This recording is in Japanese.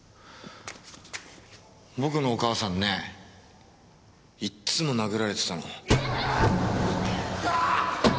僕のお母さんねいっつも殴られてたの。